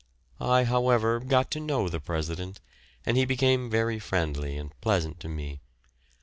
I, however, got to know the President, and he became very friendly and pleasant to me.